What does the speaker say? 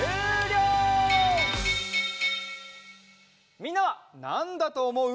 みんなはなんだとおもう？